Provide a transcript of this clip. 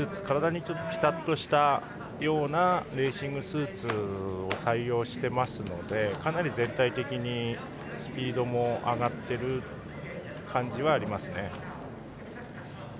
体にぴたっとしたようなレーシングスーツを採用していますのでかなり全体的にスピードも上がってる感じはありますね。